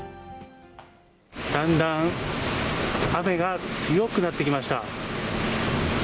だんだん雨が強くなってきました。